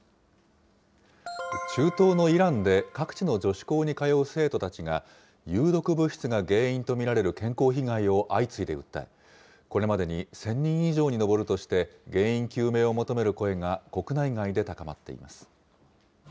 中東のイランで各地の女子校に通う生徒たちが、有毒物質が原因と見られる健康被害を相次いで訴え、これまでに１０００人以上に上るとして、原因究明を求める声が国内外で高まっています。